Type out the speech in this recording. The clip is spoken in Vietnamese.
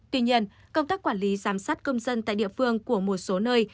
tuy nhiên công tác quản lý giám sát công dân tại địa phương của một số nơi